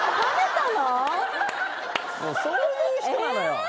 もうそういう人なのよえ？